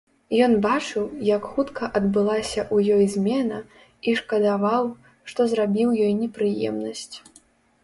Ён бачыў, як хутка адбылася ў ёй змена, і шкадаваў, што зрабіў ёй непрыемнасць.